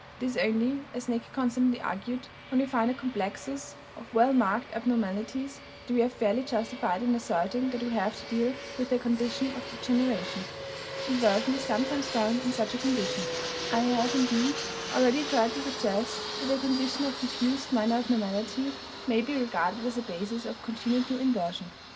It is only, as Näcke constantly argued, when we find a complexus of well marked abnormalities that we are fairly justified in asserting that we have to deal with a condition of degeneration. Inversion is sometimes found in such a condition. I have, indeed, already tried to suggest that a condition of diffused minor abnormality may be regarded as a basis of congenital inversion.